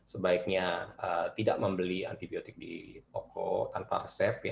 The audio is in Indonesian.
sebaiknya tidak membeli antibiotik di toko tanpa resep